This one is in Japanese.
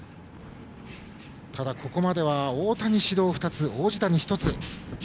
ただ、ここまでは太田に指導２つ、王子谷に１つ。